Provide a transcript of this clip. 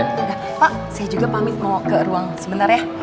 pak saya juga pamit mau ke ruang sebentar ya